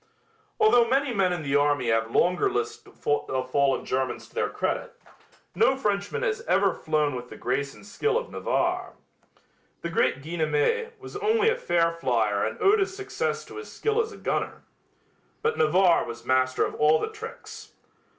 Although many men in the army have longer lists of fallen Germans to their credit, no Frenchman has ever flown with the grace and skill of Navarre. The great Guynemer was only a fair flier and owed his success to his skill as a gunner. But Navarre was master of all the tricks.